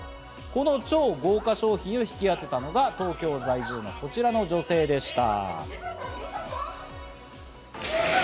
この超豪華賞品を引き当てたのが、東京在住のこちらの女性でした。